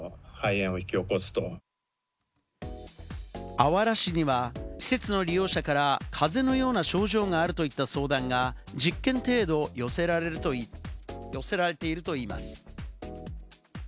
あわら市には、施設の利用者から風邪のような症状があるといった相談が１０件程度、寄せられているといいます。